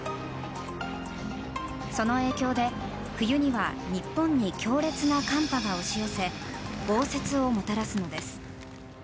その影響で冬には日本に強烈な寒波が押し寄せ豪雪をもたらすのです。